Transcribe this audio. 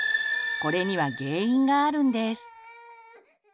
これには原因があるんです。